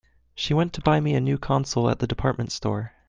She went to buy me a new console at the department store.